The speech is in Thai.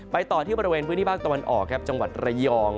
ต่อที่บริเวณพื้นที่ภาคตะวันออกครับจังหวัดระยอง